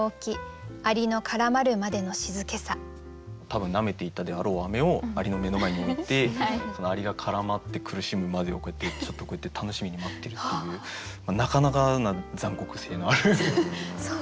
多分なめていたであろうを蟻の目の前に置いてその蟻が絡まって苦しむまでをちょっとこうやって楽しみに待ってるっていうなかなかな残酷性のある。